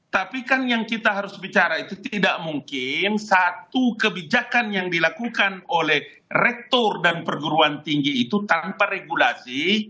tapi kan yang kita harus bicara itu tidak mungkin satu kebijakan yang dilakukan oleh rektor dan perguruan tinggi itu tanpa regulasi